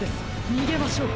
にげましょう！